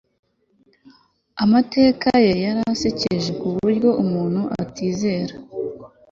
Amateka ye yari asekeje kuburyo umuntu atizera